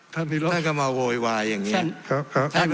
ท่านก็มาโวยวายอย่างนี้